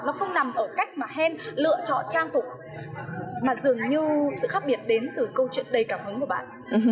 nó không nằm ở cách mà hen lựa chọn trang phục mà dường như sự khác biệt đến từ câu chuyện đầy cảm hứng của bạn